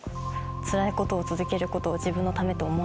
「辛いことを続けることを自分のためと思わない。